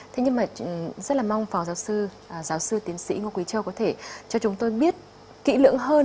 thế nhưng mà rất là mong phó giáo sư giáo sư tiến sĩ ngô quý châu có thể cho chúng tôi biết kỹ lưỡng hơn